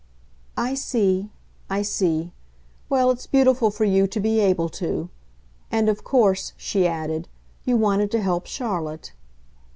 "I see I see. Well, it's beautiful for you to be able to. And of course," she added, "you wanted to help Charlotte."